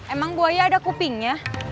emang buaya ada kupingnya